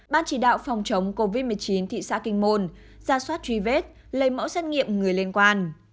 ban chỉ đạo phòng chống covid một mươi chín thị xã kinh môn ra soát truy vết lấy mẫu xét nghiệm người liên quan